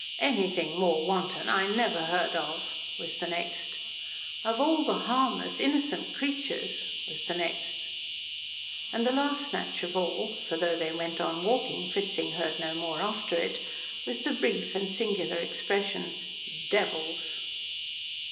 "Anything more wanton I never heard of," was the next. "Of all the harmless, innocent creatures " was the next. And the last snatch of all for though they went on walking Fritzing heard no more after it was the brief and singular expression "Devils."